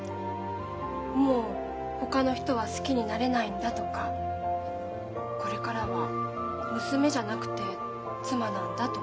もうほかの人は好きになれないんだとかこれからは娘じゃなくて妻なんだとか。